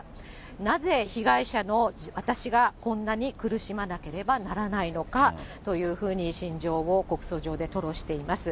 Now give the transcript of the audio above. なぜ被害者の私がこんなに苦しまなければならないのかというふうに、心情を告訴状で吐露しています。